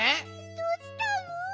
どうちたの？